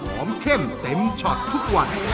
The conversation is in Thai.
เข้มเต็มช็อตทุกวัน